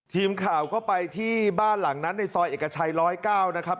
ทีมข่าวก็ไปที่บ้านหลังนั้นในซอยเอกชัย๑๐๙นะครับ